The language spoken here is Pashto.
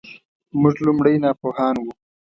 موږ لومړی ناپوهان وو .